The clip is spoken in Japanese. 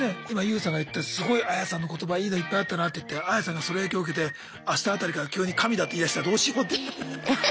今ＹＯＵさんが言ったすごいアヤさんの言葉いいのいっぱいあったなっていってアヤさんがその影響受けて明日辺りから急に神だって言いだしたらどうしようって。